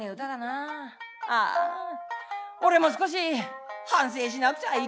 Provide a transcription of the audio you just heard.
ああ俺も少し反省しなくちゃいけねえかなあ」。